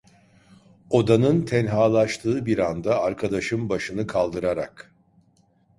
Odanın tenhalaştığı bir anda arkadaşım başını kaldırarak.